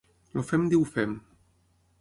El fem diu fem.